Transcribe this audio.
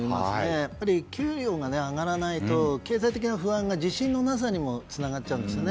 やっぱり、給料が上がらないと経済的な不安が自信のなさにもつながっちゃうんですよね。